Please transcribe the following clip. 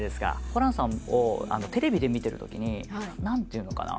ホランさんをテレビで見てるときに何ていうのかな